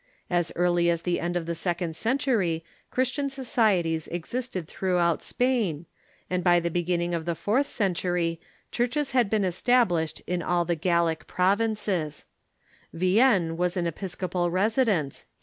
As early as the end of the second century Christian societies existed throughout Spain, and by the be ginning of the fourth century churches had been established in all the Gallic provinces, Vienne was an episcopal residence, A.